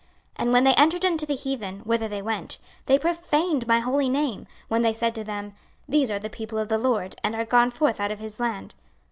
26:036:020 And when they entered unto the heathen, whither they went, they profaned my holy name, when they said to them, These are the people of the LORD, and are gone forth out of his land.